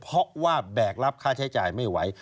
เพราะว่าแบกรับค่าใช้จ่ายไม่ไหว